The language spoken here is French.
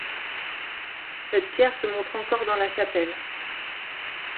Cette pierre se montre encore dans la chapelle.